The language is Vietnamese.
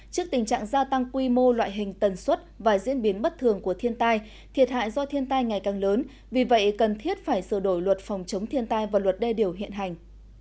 trước tình trạng gia tăng quy mô loại hình tần suất và diễn biến bất thường của thiên tai thiệt hại do thiên tai ngày càng lớn vì vậy cần thiết phải sửa đổi luật phòng chống thiên tai và luật đê điều hiện hành